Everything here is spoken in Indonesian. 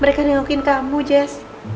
mereka dengokin kamu jess